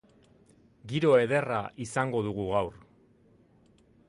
Giro ederra izango dugu gaur.